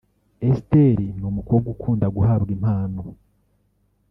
Esther ni umukobwa ukunda guhabwa impano